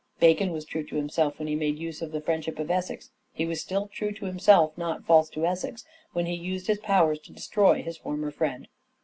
Bacon was true to himself when he made use of the friendship of Essex ; he was still true to himself, not false to Essex, when he used his powers to destroy his former friend.